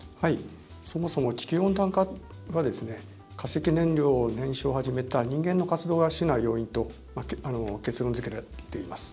そもそも地球温暖化が化石燃料を燃焼し始めた人間の活動が主な要因と結論付けられています。